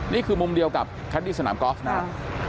นี่คือมุมเดียวกับแคนดี้สนามกอล์ฟนะครับ